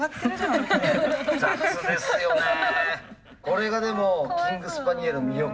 これがでもキングスパニエルの魅力。